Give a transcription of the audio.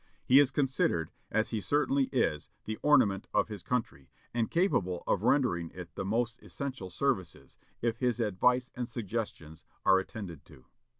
He is considered, as he certainly is, the ornament of his country, and capable of rendering it the most essential services, if his advice and suggestions are attended to."